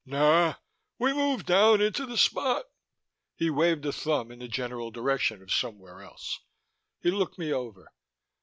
"Nah; we move down inta the Spot." He waved a thumb in the general direction of somewhere else. He looked me over.